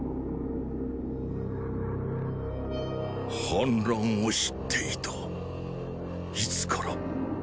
反乱を知っていたいつから。